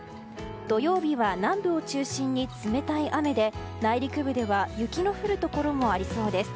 土曜日は南部を中心に冷たい雨で内陸部では雪の降るところもありそうです。